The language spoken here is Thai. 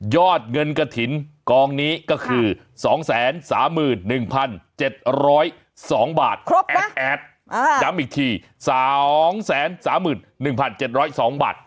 อย่างอีกที๒๓๑๑๗๐๒บาท